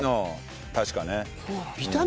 確かね。